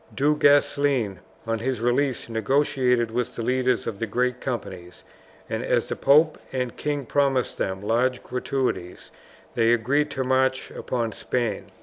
Du Guesclin on his release negotiated with the leaders of the great companies, and as the pope and king promised them large gratuities they agreed to march upon Spain.